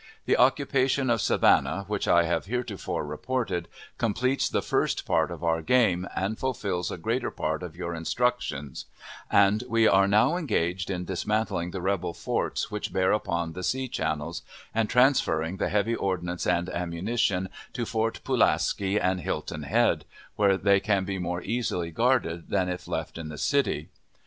The occupation of Savannah, which I have heretofore reported, completes the first part of our game, and fulfills a great part of your instructions; and we are now engaged in dismantling the rebel forts which bear upon the sea channels, and transferring the heavy ordnance and ammunition to Fort Pulaski and Hilton Head, where they can be more easily guarded than if left in the city.